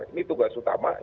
ini tugas utamanya